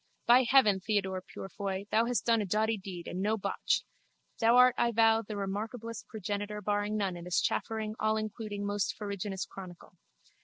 By heaven, Theodore Purefoy, thou hast done a doughty deed and no botch! Thou art, I vow, the remarkablest progenitor barring none in this chaffering allincluding most farraginous chronicle.